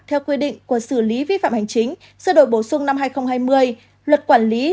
theo quy định của xử lý vi phạm hành chính sửa đổi bổ sung năm hai nghìn hai mươi luật quản lý